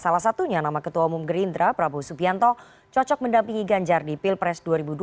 salah satunya nama ketua umum gerindra prabowo subianto cocok mendampingi ganjar di pilpres dua ribu dua puluh